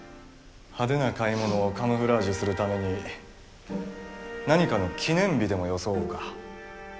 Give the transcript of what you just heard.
派手な買い物をカムフラージュするために何かの記念日でも装うか。